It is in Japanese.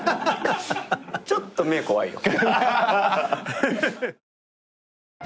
ちょっと目怖いよ。